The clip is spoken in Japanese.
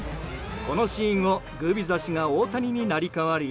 このシーンをグビザ氏が大谷に成り代わり。